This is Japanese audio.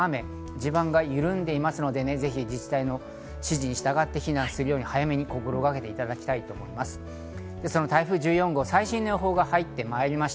地盤が緩んでいますので、ぜひ自治体の指示に従って避難するように、早めに心がけていただきたいと思います。